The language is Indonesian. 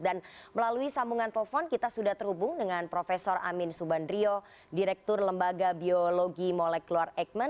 dan melalui sambungan telepon kita sudah terhubung dengan prof amin subandrio direktur lembaga biologi molekular eggman